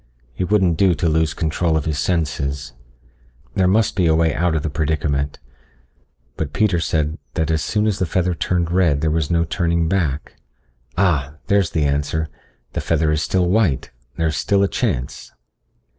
It wouldn't do to lose control of his senses. There must be a way out of the predicament. But Peter said that as soon as the feather turned red there was no turning back. Ah there's the answer. The feather is still white ... there's still a chance.